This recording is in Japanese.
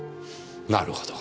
なるほど。